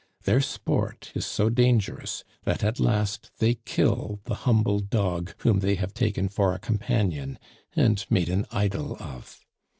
Their sport is so dangerous that at last they kill the humble dog whom they have taken for a companion and made an idol of.